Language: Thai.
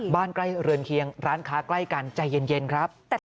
บ้านใกล้เรือนเคียงร้านค้าใกล้กันใจเย็นครับ